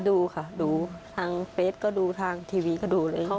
ดูค่ะดูทางเฟสก็ดูทางทีวีก็ดูเลย